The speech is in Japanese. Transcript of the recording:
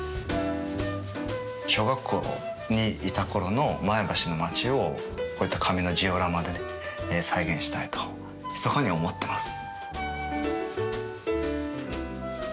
小学校にいたころの前橋の町をこういった紙のジオラマで再現したいとひそかに思っています。